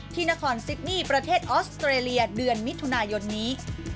ที่นครซิดนี่ประเทศออสเตรเลียเดือนมิถุนายนนี้